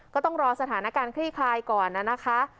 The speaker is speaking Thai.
ก็ต้องรอสถานการณ์คลี่คลายก่อนนะคะ